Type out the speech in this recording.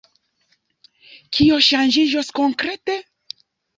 Kio ŝanĝiĝos konkrete?